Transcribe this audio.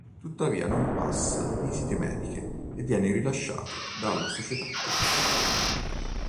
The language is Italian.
Tuttavia non passa le visite mediche e viene rilasciato dalla società turca.